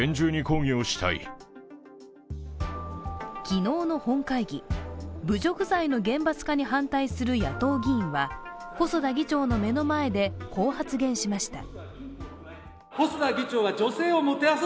昨日の本会議、侮辱罪の厳罰化に反対する野党議員は細田議長の目の前で、こう発言しました。